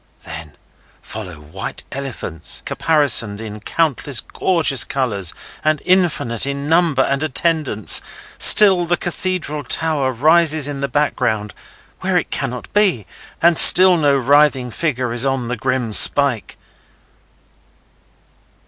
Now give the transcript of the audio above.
Then, follow white elephants caparisoned in countless gorgeous colours, and infinite in number and attendants. Still the Cathedral Tower rises in the background, where it cannot be, and still no writhing figure is on the grim spike.